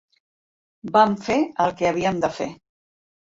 Vam fer el que havíem de fer.